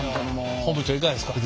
本部長いかがですか？